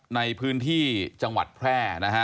ในพื้นที่จังหวัดแพร่นะฮะ